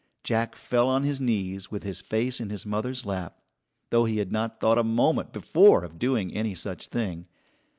Jack fell on his knees with his face in his mother's lap, though he had not thought a moment before of doing any such thing.